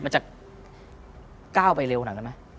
มันจะก้าวไปเร็วขนาดนั้นไหม